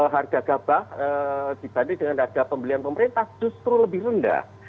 harga gabah dibanding dengan harga pembelian pemerintah justru lebih rendah